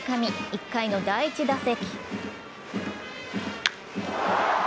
１回の第１打席。